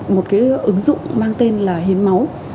một cái ứng dụng mang tên là hiến máu